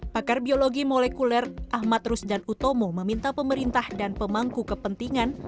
pakar biologi molekuler ahmad rusdan utomo meminta pemerintah dan pemangku kepentingan